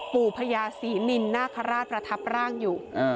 ปู่พญาสินินกณขราทประทับร่างอยู่